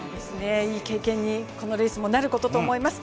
いい経験に、このレースもなると思います。